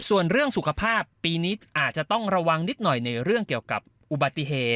ส่วนเรื่องสุขภาพปีนี้อาจจะต้องระวังนิดหน่อยในเรื่องเกี่ยวกับอุบัติเหตุ